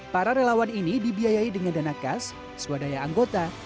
para relawan ini dibiayai dengan dana kas swadaya anggota